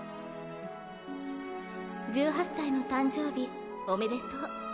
１８歳の誕生日おめでとう。